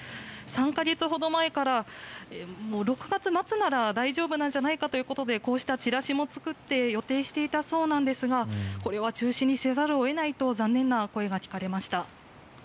３か月ほど前から６月末なら大丈夫なんじゃないかということでこうしたチラシも作っていたそうなんですがこれは中止にせざるを得ないと残念な声が聞かれました。